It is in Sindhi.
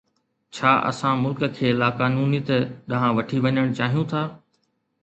ڇا اسان ملڪ کي لاقانونيت ڏانهن وٺي وڃڻ چاهيون ٿا؟